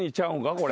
これ。